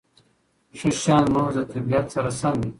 ښه شیان زموږ د طبیعت سره سم دي.